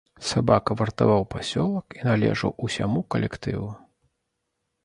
Сабака вартаваў пасёлак і належаў усяму калектыву.